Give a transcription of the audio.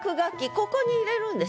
ここに入れるんです。